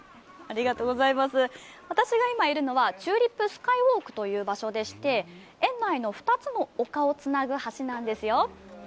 私が今いるのはチューリップスカイウォークという場所でして園内の２つの丘をつなぐ橋なんですよる